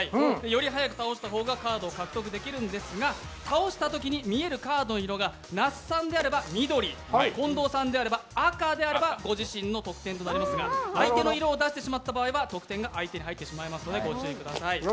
より速く倒した方がカードを獲得できるんですが倒したときに見えるカードの色が那須さんであれば緑近藤さんであれば赤であればご自身の得点になりますが相手の色を出してしまった場合は得点が相手に入ってしまうのでご注意ください。